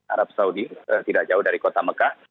arab saudi tidak jauh dari kota mekah